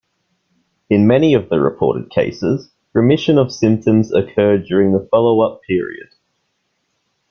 In many of the reported cases, remission of symptoms occurred during the follow-up period.